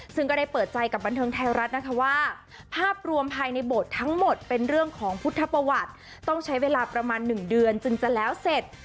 ซึ่งก็ได้เปิดใจกับบันเทิงไทยรัฐนะคะว่าภาพรวมภายในโบสถ์ทั้งหมดเป็นเรื่องของพุทธประวัติต้องใช้เวลาประมาณ๑เดือนจึงจะแล้วเสร็จ